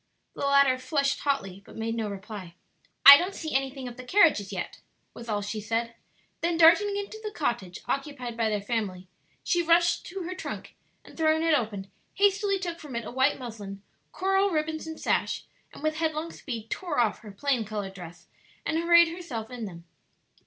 The latter flushed hotly but made no reply. "I don't see anything of the carriages yet," was all she said; then darting into the cottage occupied by their family, she rushed to her trunk, and throwing it open, hastily took from it a white muslin, coral ribbons and sash, and with headlong speed tore off her plain colored dress and arrayed herself in them.